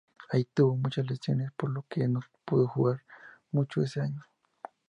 Allí, tuvo muchas lesiones, por lo que no pudo jugar mucho ese año.